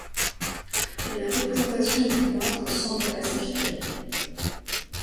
La représentation du peintre semble assez fidèle.